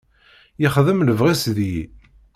Yexdem lebɣi-s deg-i.